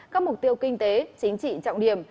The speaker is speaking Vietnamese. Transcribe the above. các mục tiêu kinh tế chính trị trọng điểm